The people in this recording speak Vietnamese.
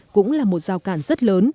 cũng là một giao cản rất lớn